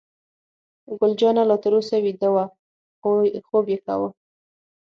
ګل جانه لا تر اوسه ویده وه، خوب یې کاوه.